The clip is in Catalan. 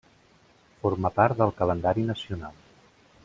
Forma part del calendari nacional.